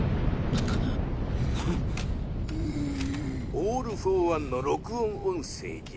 オール・フォー・ワンの録音音声じゃ。